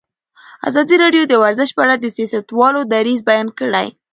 ازادي راډیو د ورزش په اړه د سیاستوالو دریځ بیان کړی.